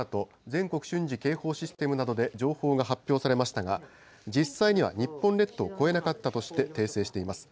・全国瞬時警報システムなどで情報が発表されましたが、実際には日本列島を越えなかったとして、訂正しています。